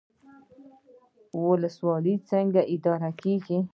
ولسوالۍ څنګه اداره کیږي؟